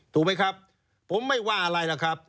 ถูกไหมครับผมไม่ว่าอะไรล่ะครับ